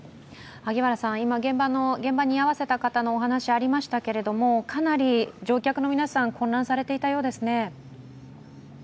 今、現場に居合わせた方のお話がありましたけれども、かなり乗客の皆さん、混乱されていたようですね？